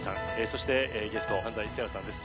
そしてゲスト安斉星来さんです